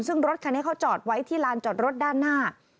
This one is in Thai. ซึ่งรถคันนี้เขาจอดไว้ที่ลานจอดรถด้านหน้า